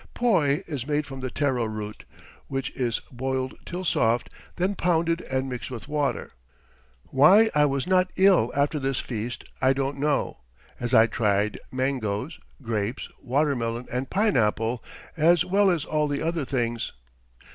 Poi is made from the taro root, which is boiled till soft, then pounded and mixed with water. Why I was not ill after this feast I don't know, as I tried mangoes, grapes, watermelon, and pineapple, as well as all the other things.